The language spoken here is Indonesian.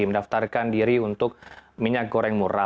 mendaftarkan diri untuk minyak goreng murah